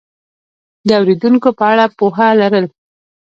د اورېدونکو په اړه پوهه لرل